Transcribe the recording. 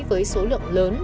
với số lượng lớn